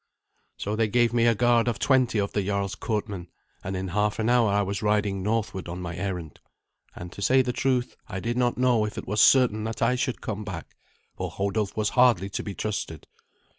So they gave me a guard of twenty of the jarl's courtmen, and in half an hour I was riding northward on my errand. And to say the truth I did not know if it was certain that I should come back, for Hodulf was hardly to be trusted.